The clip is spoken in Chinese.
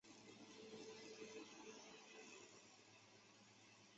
玛哈希力是布和贺喜格蒙古文学会最初的成员。